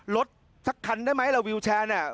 สักคันได้ไหมล่ะวิวแชร์เนี่ย